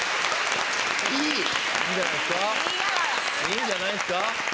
いいんじゃないですか？